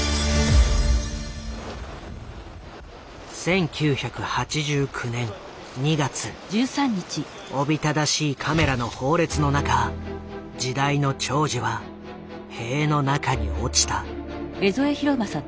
１９８９年２月おびただしいカメラの放列の中時代の寵児は塀の中に落ちた。